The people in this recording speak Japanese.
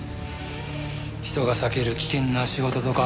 人が避ける危険な仕事とか低賃金。